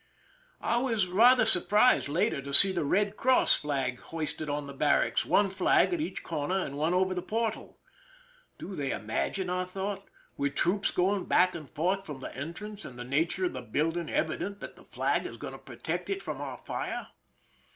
I was rather surprised later to see the Eed Cross flag hoisted on the barracks, one flag at each corner and one over the portal. "Do they imagine," I thought, " with troops going back and forth from the entrance, and the nature of the building evi dent, that the flag is going to protect it from our fire